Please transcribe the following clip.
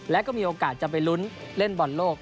และก็มีโอกาสจะไปลุ้นเล่นบอลโลก